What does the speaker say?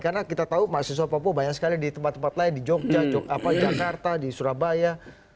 karena kita tahu mahasiswa papua banyak sekali di tempat tempat lain di jogja jakarta di surabaya